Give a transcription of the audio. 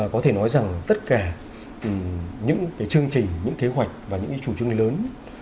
có thể nói rằng tất cả những chương trình những kế hoạch và những chủ trương lớn